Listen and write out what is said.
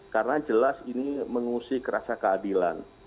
karena jelas ini mengusik rasa keadilan